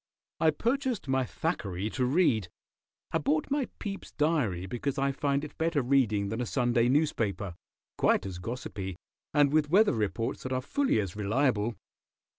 I purchased my Thackeray to read. I bought my Pepys Diary because I find it better reading than a Sunday newspaper, quite as gossipy, and with weather reports that are fully as reliable.